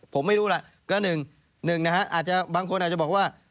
ผมไม่รู้แหละก็หนึ่งนะฮะบางคนอาจจะบอกว่า